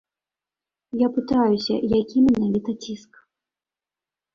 Я пытаюся, які менавіта ціск.